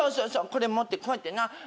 これ持ってこうやってな。